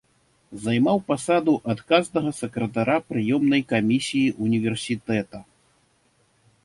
Займаў пасаду адказнага сакратара прыёмнай камісіі ўніверсітэта.